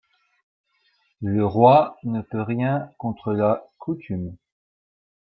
Le roi ne peut rien contre la coutume.